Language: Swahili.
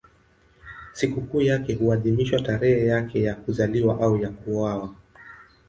Sikukuu yake huadhimishwa tarehe yake ya kuzaliwa au ya kuuawa.